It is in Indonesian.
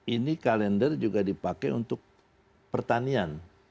ini kalender juga dipakai untuk pertanian